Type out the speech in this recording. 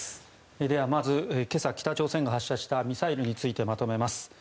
ではまず今朝、北朝鮮が発射したミサイルについてまとめます。